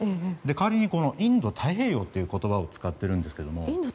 代わりにインド太平洋地域という言葉を使っているんです。